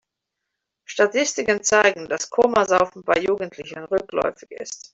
Statistiken zeigen, dass Komasaufen bei Jugendlichen rückläufig ist.